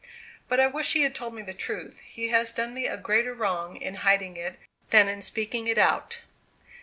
But I wish he had told me the truth. He has done me a greater wrong in hiding it, than in speaking it out."